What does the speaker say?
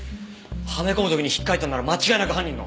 はめ込む時に引っかいたんなら間違いなく犯人の。